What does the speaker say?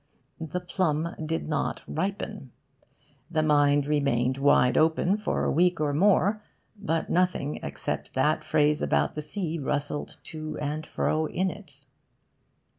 The plum did not ripen. The mind remained wide open for a week or more, but nothing except that phrase about the sea rustled to and fro in it.